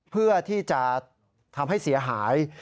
เพื่อที่จะทำให้เสียหาย